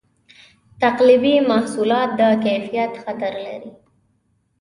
تقلبي محصولات د کیفیت خطر لري.